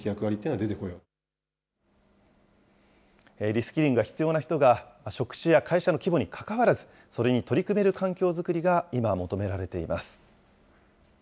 リスキリングが必要な人が職種や会社の規模にかかわらず、それに取り組める環境作りが今、求められています。